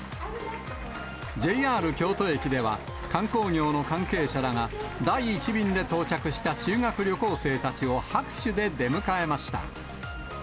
ＪＲ京都駅では、観光業の関係者らが、第１便で到着した修学旅行生たちを拍手で出迎えました。